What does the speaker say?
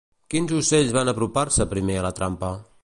Quins ocells van apropar-se primer a la trampa?